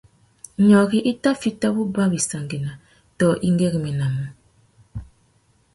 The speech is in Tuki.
Nyôrï a tà fiti wuba wissangüena tô i güeréménamú.